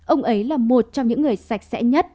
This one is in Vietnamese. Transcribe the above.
ông ấy là một trong những người sạch sẽ nhất